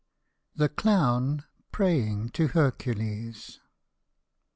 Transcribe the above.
THE CLOWN PRAYING TO HERCULES.